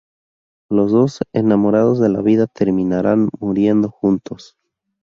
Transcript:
Los dos enamorados de la vida terminaran muriendo juntos.